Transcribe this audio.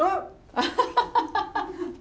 アハハハハ。